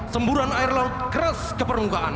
semburuan air laut keras keperungkaan